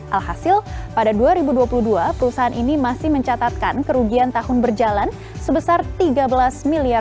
alhasil pada dua ribu dua puluh dua perusahaan ini masih mencatatkan kerugian tahun berjalan sebesar rp tiga belas miliar